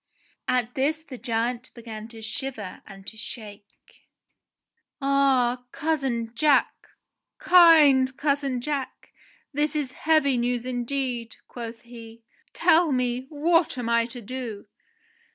At this the giant began to shiver and to shake. "Ah! Cousin Jack ! Kind cousin Jack ! This is heavy news in deed," quoth he. "Tell me, what am I to do